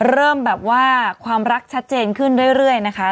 เริ่มแบบว่าความรักชัดเจนขึ้นเรื่อยนะคะ